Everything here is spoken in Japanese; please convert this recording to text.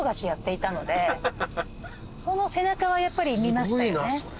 その背中はやっぱり見ましたね。